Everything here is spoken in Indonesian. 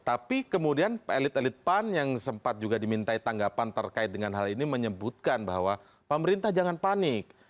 tapi kemudian elit elit pan yang sempat juga dimintai tanggapan terkait dengan hal ini menyebutkan bahwa pemerintah jangan panik